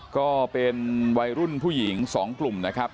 ก็เป็นวัยรุ่นผู้หญิง๒กลุ่มนะครับ